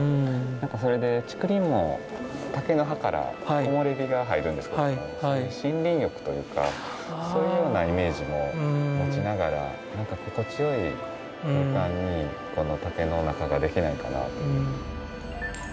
それで竹林も竹の葉から木漏れ日が入るんですけども森林浴というかそういうようなイメージも持ちながらなんか心地よい空間にこの竹の中ができないかなという。